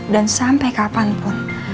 dan sampai kapanpun